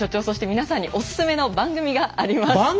そして皆さんにお薦めの番組があります。